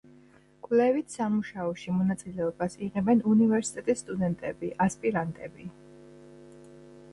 კვლევით სამუშაოში მონაწილეობას იღებენ უნივერსიტეტის სტუდენტები, ასპირანტები.